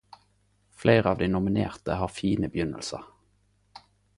Fleire av dei nominerte har fine begynnelsar.